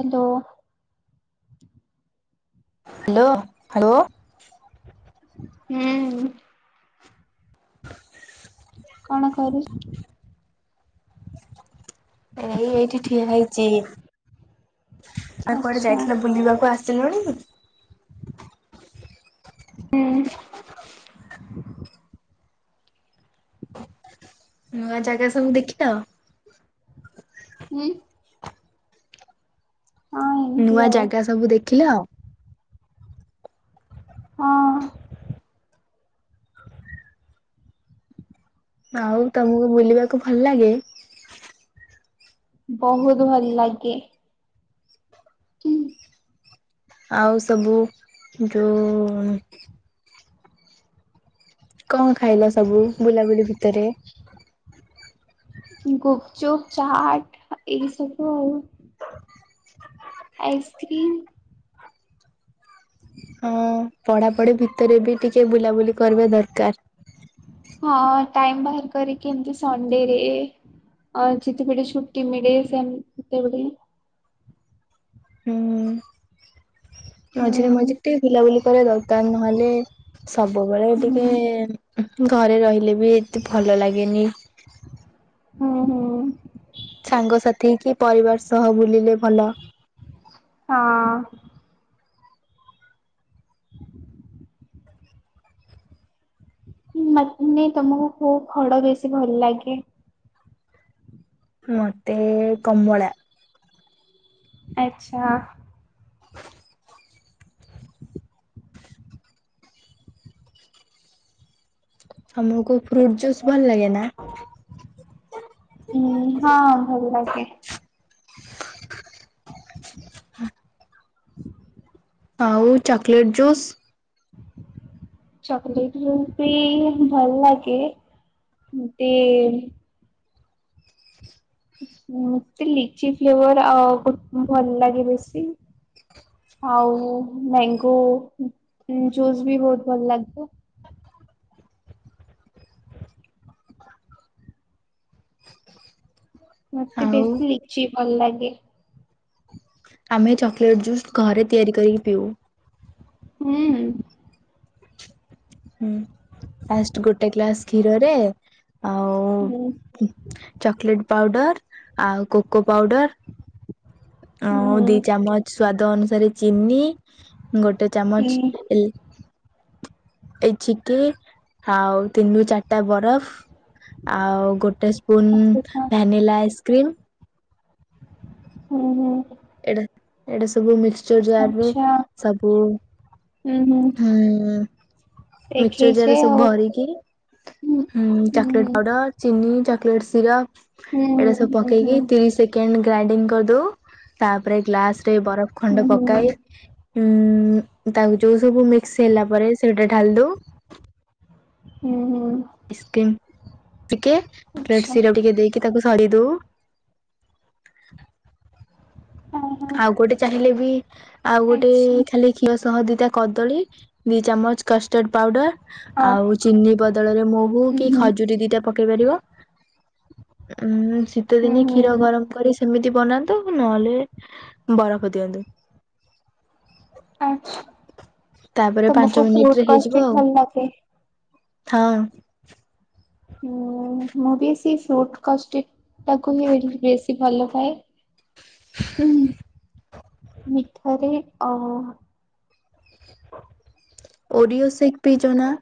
Hello. Hello hello. ହୁଁ। କଣ କରୁଚୁ? ଏଇ ଏଇଠି ଠିକ ହେଇଛି ଆଉ କୁଆଡେ ଆଚ୍ଛା ଯାଇଥିଲ ବୁଲିବାକୁ ଆସି [unintelligible] ହୁଁ। ନୂଆ ଜାଗା ସବୁ ଦେଖିଲ? ହୁଁ। ନୂଆ ଆଉ ଜାଗା ସବୁ ଦେଖିଲ? ହଁ [inaudible] ଆଉ ତମକୁ ବୁଲିବାକୁ ଭଲ ଲାଗେ? ବହୁତ ଭଲ ଲାଗେ। ଆଉ ସବୁ ଯୋଉ କଣ ଖାଇଲା ସବୁ ବୁଲାବୁଲି ଭିତରେ ଗୁପଚୁପ ଚାଟ ଏଇ ସବୁ ଆଉ। ଆଇସ୍କ୍ର୍ରିମ। ହଁ ପଢାପଢି ଭିତରେ ବି ଟିକେ ବୁଲାବୁଲି କରିବା ଦରକାର। ହଁ ଟାଇମ ବାହାର କରିକି ଏମତି ସଣ୍ଡେରେ। ଆ ଯେତେବେଳେ ଛୁଟି ମିଳେ ସେ ସେତେବେଳେ। ହୁଁ ହୁଁ ମଝିରେ ମଝିରେ ଟିକେ ବୁିଲ ବୁଲି କରିବା ଦରକାର ନହେଲେ ସବୁବେଳେ ହୁଁ ଟିକେ ଘରେ ରହିଲେ ବି ଏତେ ଭଲ ଲାଗେନି। ହଁ ହଁ। ସାଙ୍ଗସାଥି କି ପରିବାର ସହ ବୁଲିଲେ ଭଲ। ହଁ। [inaudible] ମାନେ ତମକୁ କୋଉ ଫଳ ବେଶି ଭଲ ଲାଗେ? ମତେ କମ୍ବଳା। ଆଚ୍ଛା। ଆମକୁ ଫ୍ରୁଟ ଜୁସ୍ ଭଲ ଲାଗେ ନା? ହଁ ହଁ ଭଲ ଲାଗେ। ଆଉ ଚକୋଲେଟ୍ ଜୁସ୍। ଚକଲେଟ ବି ଭଲ ଲାଗେ। ନ୍ତେ ମତେ ଲିଚି ଫ୍ଲେଭର ଆ ଭଲ ଲାଗେ ବେଶି। ଆଉ ମ୍ୟାଙ୍ଗୋ ଜୁସ୍ ବି ବହୁତ ଭଲ ଲାଗେ। ମତେ ଆଉ ବେଶି ଲିଚି ଭଲ ଲାଗେ। ଆମେ ଚକୋଲେଟ୍ ଜୁସ୍ ଘରେ ତିଆରି କରିକି ପିଉ। ହୁଁ। ହୁଁ ଫାଷ୍ଟ ଗୋଟେ ଗ୍ଲାସ କ୍ଷୀରରେ ହୁଁ ଆଉ ଚକଲେଟ ପାଉଡର ଆଉ କୋକୋ ପାଉଡର ହୁଁ ହ ଦି ଚାମଚ ସ୍ଵାଦ ଅନୁସାରେ ଚିନି ଗୋଟେ ଚାମଚ ହୁଁ ଏ ଇ ଏଇ ଛିକେ ଆଉ ତିନିରୁ ଚାରିଟା ବରଫ ଆଉ ଗୋଟେ ସ୍ପୁ ଆଚ୍ଛା ଆଚ୍ଛା ସ୍ପୂନ୍ ଭାନିିଲ ଆଇସ୍କ୍ରିମ୍ ହୁଁ ହୁଁ। ଏଡେ ଏଡ଼େ ସେ ସବୁ ମିକ୍ସଚର ଜାର ରେ ଆଚ୍ଛା ସବୁ। ହୁଁ ହୁଁ ମିକ୍ସଚର ଜାର ଦେଖେଇଛେ ରେ ସବୁ ଆଉ ଭରିକି ହୁଁ ଚକଲେଟ୍ ପାଉଡର ଚିନି ଚକଲେଟ ସିରପ ହୁଁ ଏଇରା ସବୁ ହୁଁ ହୁଁ ପକେଇକି ତିରିଶ ସେକେଣ୍ଡ ଗ୍ରାଇଣ୍ଡିଙ୍ଗ କରିଦଉ ତାପରେ ଗ୍ଲାସ ରେ ବରଫ ହୁଁ ଖଣ୍ଡ ହୁଁ ପକାଇ ଉଁ ତାକୁ ଯୋଉ ସବୁ ମିକ୍ସ ହେଲା ପରେ ସେଇଟା ଢାଲ ଦଉ ହୁଁ ହୁଁ। ଆଇସ୍କ୍ରିମ୍। ଟିକେ [unintelligible] ଆଚ୍ଛା। ସିରପ୍ ଟିକେ ଦେଇକି ତାକୁ ସରି ଦଉ। ହଁ ହଁ ଆଉ ଗୋଟେ ଚାହିଁଲେ ବି ଆଉ ଗୋଟେ ଆଚ୍ଛା ଖାଲି ଖିଅ ଶହ ଦିଇଟା କଦଳୀ ଦି ଚାମଚ କଷ୍ଟର୍ଡ ପାଉଡର। ହଁ। ଆଉ ଚିନି ବଦଳରେ ମହୁ ହୁଁ କି ହୁଁ ଖଜୁରୀ ଦିଟା ପକେଇ ପାରିବ। ଉଁ ଶୀତ ଦିନେ ହୁଁ କ୍ଷୀର ହୁଁ ଗରମ କରି ସେମିତି ବନାନ୍ତ ନହେଲେ ବରଫ ଦିଅନ୍ତୁ। ଆଚ୍ଛା ତାପରେ ତମକୁ ପାଞ୍ଚ ମିନିଟ ଫ୍ରୁଟ ରେ ହେଇଯିବ କଷ୍ଟ୍ୟୁଟ ଆଉ। ଭଲ ଲାଗେ? ହଁ। ହୁଁ। ମୁଁ ବି ସେଇ ଫୁଟ୍ କଷ୍ଟିଟ ଟା କୁ ହିଁ ବେଶୀ ଭଲ ପାଏ। ହୁଁ ମିଠାରେ ଅଉ ଓଡ଼ିଓ ସେକ୍ ପିଚ ନା?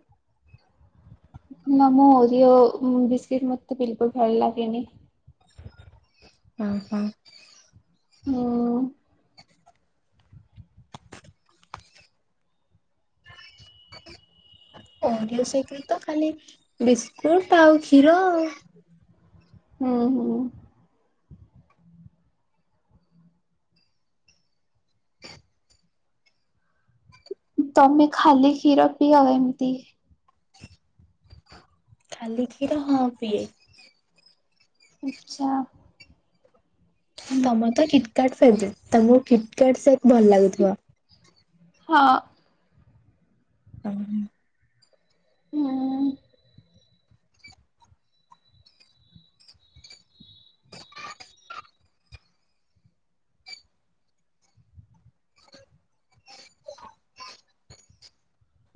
ନା ମୁଁ ଓରିଓ ବିସ୍କିଟ୍ ମତେ ବିଲକୁଲ୍ ଭଲ ଲାଗେନି। ଅ ହଁ। ହୁଁ। ଓରିଓ ସେକ୍ ରେ ତ ଖାଲି ବିସ୍କୁଟ ଆଉ କ୍ଷୀର। ହୁଁ ହୁଁ। ତମେ ଖାଲି କ୍ଷୀର ପିଅ ଏମିତି। ଖାଲି କ୍ଷୀର ହଁ ପିଏ। ଆଚ୍ଛା। ତମ ତ କିଟ୍ କାର୍ଟ ଫେବରାଇଟ୍ ତମକୁ କିଟ୍ କାର୍ଟ ସେଟଭଲ ଲାଗୁଥିବ। ହଁ। [unintelligible] ହୁଁ।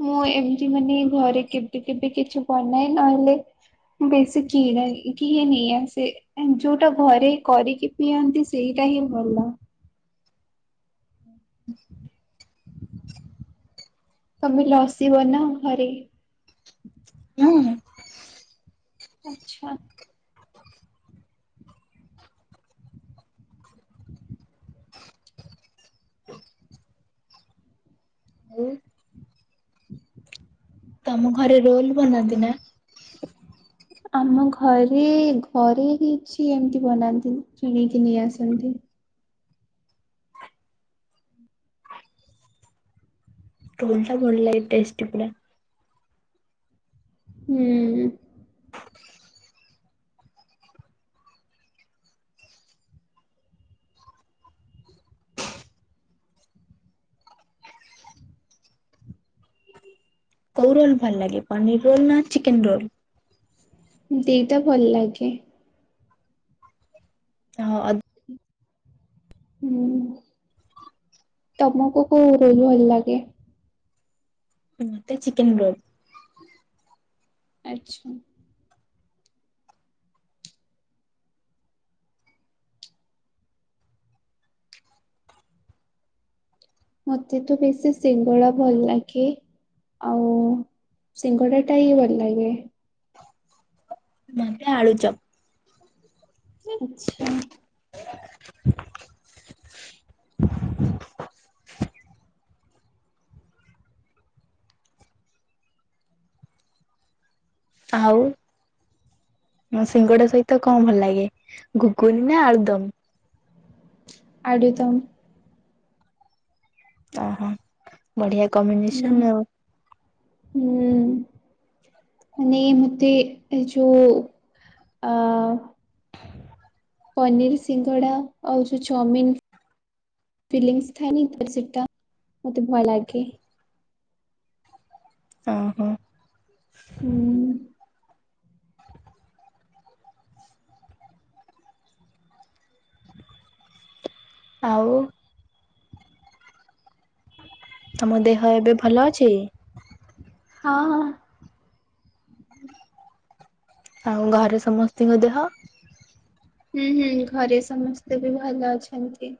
ମୁଁ ଏମିତି ମାନେ ଘରେ କେବେ କେବେ କିଛି ବନାଇ ନହେଲେ ବେଶୀ କିରାଇ କି ନେଇ ଆସେ ଯୋଉଟା ଘରେ କରିକି ପିଅନ୍ତି ସେଇ ଟା ହି ଭଲ। ତମେ ଲସି ବନାଅ ଘରେ? ହଁ। ଆଚ୍ଛା। ଆଉ ଆମ ଘରେ ରୋଲ ବନାନ୍ତି ନା? ଆମ ଘରେ ଘରେ କିଛି ଏମିତି ବନାନ୍ତିନି କିଣିକି ନେଇ ଆସନ୍ତି। ରୋଲ୍ ଟା ଭଲ ଲାଗେ ଟେଷ୍ଟି ପୁରା। ହୁଁ। କଉ ରୋଲ ଭଲ ଲାଗେ ପନିର ରୋଲ ନା ଚିକେନ ରୋଲ? ଦି ଟା ଭଲ ଲାଗେ। ହଁ। ହୁଁ ତମକୁ କୋଉ ରୋଲ୍ ଭଲ ଲାଗେ? ମତେ ଚିକେନ ରୋଲ। ଆଚ୍ଛା। ମତେ ତ ବେଶୀ ସିଙ୍ଗଡା ଭଲ ଲାଗେ। ଆଉ ସିଙ୍ଗଡା ଟା ହି ଭଲ ଲାଗେ। ମତେ ଆଳୁଚ ଆଚ୍ଛା। [inaudible] ଆଉ ଁ ସିଙ୍ଗଡା ସହିତ କଣ ଭଲ ଲାଗେ ଘୁଗୁନ ନା ଆଳଦମ? ଆଡ଼ିିତ ଓହୋ ବଢିଆ ହୁଁ କମ୍ବିନେସନ ଆଉ ହୁଁ ମାନେ ମତେ ଏ ଯୋଉ ଅ ପନିର ସିଙ୍ଗଡା ଆଉ ଯୋଉ ଚାଉମିନ ଫିଲିଂସଥାନି ତ ସୋ ମୋତେ ଭୟ ଲାଗାଗେ ଓ ହୋ। ହୁଁ। ଆଉ ତମ ଦେହ ଏବେ ଭଲ ଅଛି। ହଁ। ଆଉ ଘାରେ ସମସ୍ତତିଙ୍କ ଦେହ? ହୁଁ ହୁଁ ଘରେ ସମସ୍ତେ ବି ଭଲ ଅଛନ୍ତି।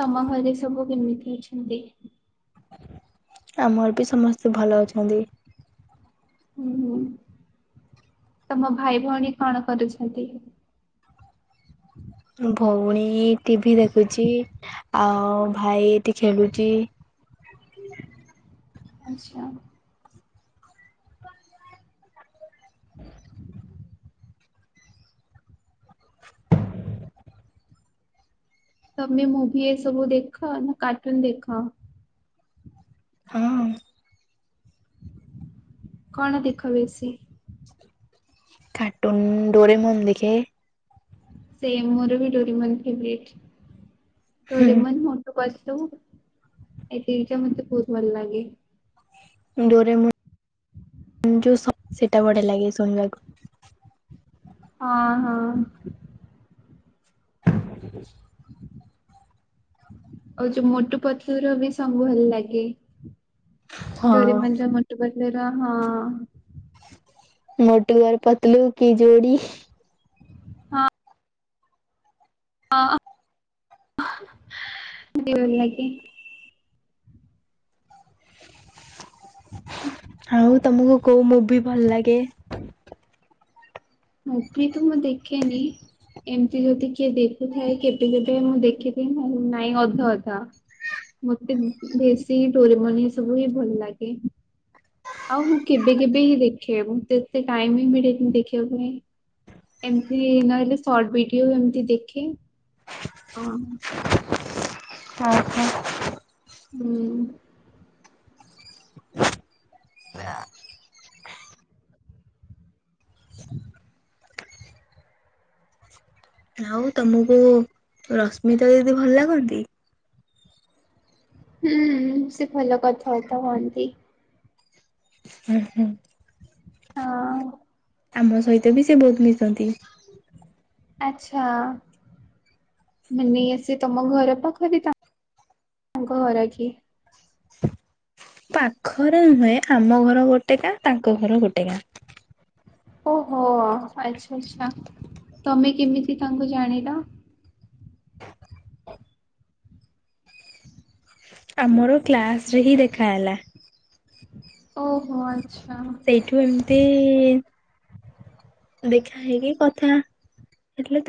ତମ ଘରେ ସବୁ କେମିତି ଅଛନ୍ତି? ଆମର ବି ସମସ୍ତେ ଭଲ ଅଛନ୍ତି। ହୁଁ ହୁଁ ତମ ଭାଇ ଭଉଣୀ କଣ କରୁଛନ୍ତି? ଭଉଣୀ ଟିଭିି ଦେଖୁଛି ଆଉ ଭାଇ ଏଠି ଖେଳୁଛି। [inaudible] ଆଚ୍ଛା। ହୁଁ। ତମେ ମୁଭି ଏ ସବୁ ଦେଖ ନା କାର୍ଟୁନ ଦେଖ। ହଁ। କଣ ଦେଖ ବେଶି? କାର୍ଟୁନଡୋରେ ମନ ଦେଖ। ସେମ ମୋର ବି ଡୋରେମନ ଫେବ୍ରେଟି ଡୋରେମନ ମୋଟୁ ପତଳୁ ତ ଏ ମ ବହୁତ ଭଲ ଲାଗେ। ଡୋରେ ମୁ ସେଟା ବଢିଆ ଲାଗେ ଶୁଣିବାକୁ ହଁ ହଁ। [inaudible] ଆଉ ଯୋଉ ମୋଟୁ ପତୁର ବି ସବୁ ଭଲ ଲାଗେ। ଦଡୋରି ହଁ ମନ୍ଦିର ମୁଟୁ ବଡ଼ଲେର ହଁ ମୋଟ ଘର ପତଲୁ କି ଯୋଡି। ହଁ। ହଁ। ଭଲ ଲାଗେ। ହୁଁ। ଆଉ ତମକୁ କୋଉ ମୁଭି ଭଲ ଲାଗେ? ମୁଭି ତ ମୁଁ ଦେଖେନି। ଏମିତି ଯଦି କିଏ ଦେଖୁଥାଏ କେବେ କେବେ ମୁଁ ଦେଖିଦେଲି ନହେଲେ ନାଇଁ ଅଧା ଅଧା। ମୋତେ ବେଶି ଡୋରେମନ ଏ ସବୁ ହିଁ ଭଲ ଲାଗେ। ଆଉ ମୁଁ କେବେ କେବେ ହିଁ ଦେଖେ ମୋତେ ଏତେ ଟାଇମ ହିଁ ମିଳେନି ଦେଖିବାକୁ ପାଇଁ। ଏମତି ନହେଲେ ସର୍ଟ ଭିଡିଓ ଏମିତି ଦେଖେ ଅଁ ଉଁ ହଉ ତମକୁ ରଶ୍ମିତା ଦିଦି ଭଲ ଲାଗନ୍ତି। ହୁଁ ସେ ଭଲ କଥାବାର୍ତ୍ତା ହଁନ୍ତି। ଉଁ ହୁଁ ହଁ। ଆମ ସହିତ ବି ସେ ବହୁତ ମିଶନ୍ତି। ଆଚ୍ଛା। ମାନେ ସେ ତମ ଘର ପାଖରେ ତାଙ୍କ ଘର କି? ପାଖରେ ନୁହେଁ ଆମ ଘର ଗୋଟେ ଗାଁ ତାଙ୍କ ଘର ଗୋଟେ ଗାଁ। ଓହୋ ଆଚ୍ଛା ଆଚ୍ଛା ତମେ କେମିତି ତାଙ୍କୁ ଜାଣିଲ? ଆମର କ୍ଲାସ ରେ ହିଁ ଦେଖା ହେଲା। ଓହୋ ଆଚ୍ଛା। ସେଇଠୁ ଏମିତି ଦେଖା ହେଇକି କଥା ହେଲେ।